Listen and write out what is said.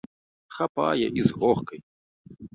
Хапае, і з горкай.